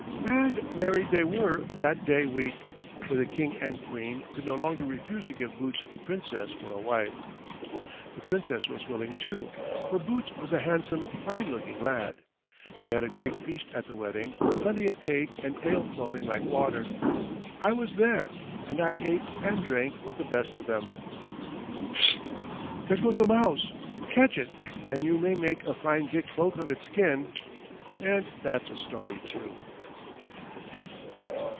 And married they were that day week, for the King and Queen could no longer refuse to give Boots the Princess for a wife. The Princess was willing, too, for Boots was a handsome, fine looking lad. They had a great feast at the wedding, with plenty of cake and ale flowing like water. I was there, and I ate and drank with the best of them. Pfst! There goes a mouse. Catch it and you may make a fine big cloak of its skin, and that's a story, too.